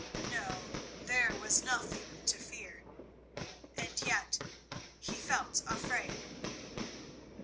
No, there was nothing to fear—and yet he felt afraid.